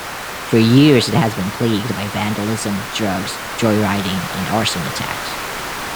For years it has been plagued by vandalism, drugs, joyriding and arson attacks.